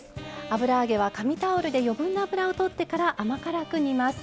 油揚げは紙タオルでよけいな油をとってから甘辛く煮ます。